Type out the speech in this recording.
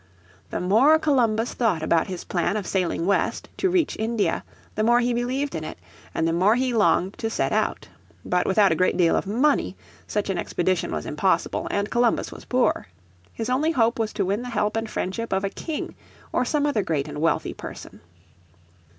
The more Columbus thought about his plan of sailing west to reach India, the more he believed in it, and the more he longed to set out. But without a great deal of money such an expedition was impossible, and Columbus was poor. His only hope was to win the help and friendship of a king or some other great and wealthy person.